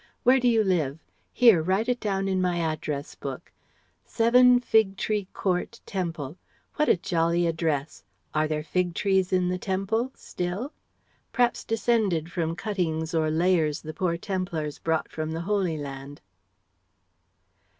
Where do you live? Here, write it down in my address book.... '7 Fig Tree Court, Temple' What a jolly address! Are there fig trees in the Temple ... still? P'raps descended from cuttings or layers the poor Templars brought from the Holy Land."